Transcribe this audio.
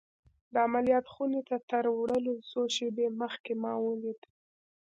د عملیات خونې ته تر وړلو څو شېبې مخکې ما ولید